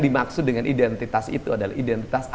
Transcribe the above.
dimaksud dengan identitas itu adalah identitas